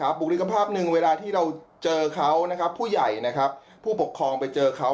บุคลิกภาพ๑เวลาที่เราเจอเขาผู้ใหญ่ผู้ปกครองไปเจอเขา